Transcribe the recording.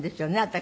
私。